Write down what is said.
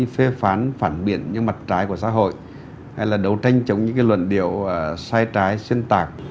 phê phán phản biện những mặt trái của xã hội hay là đấu tranh chống những luận điệu sai trái xuyên tạc